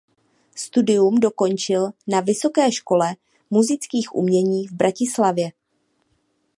Studium dokončil na Vysoké škole múzických umění v Bratislavě.